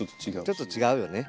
ちょっと違うよね。